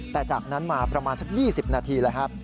แต่จากนั้นมาประมาณสัก๒๐นาทีเลยครับ